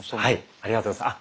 ありがとうございます。